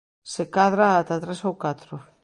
Se cadra ata tres ou catro.